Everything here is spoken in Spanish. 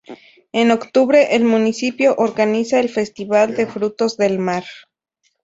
En octubre, el municipio organiza el Festival de Frutos del Mar.